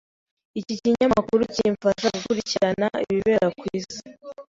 Iki kinyamakuru kimfasha gukurikirana ibibera ku isi.